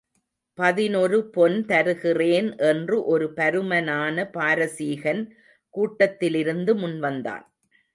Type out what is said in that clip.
பதினொரு பொன் தருகிறேன் என்று ஒரு பருமனான பாரசீகன் கூட்டத்திலிருந்து முன்வந்தான்.